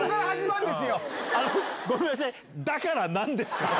ごめんなさい、だから、なんですか？